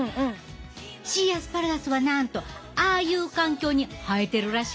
シーアスパラガスはなんとああいう環境に生えてるらしいで。